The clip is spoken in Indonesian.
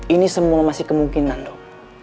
ini semua masih kemungkinan dok